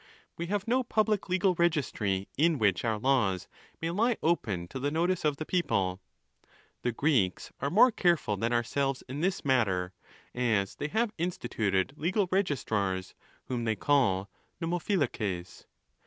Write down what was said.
We have no public legal registry, in which our laws may lie open to the notice of the people. 'The Greeks are more careful than ourselves in this matter, as they have instituted legal registrars, whom they call vowopiAaxes.